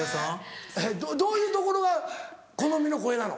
どういうところが好みの声なの？